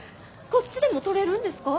こっちでも取れるんですか？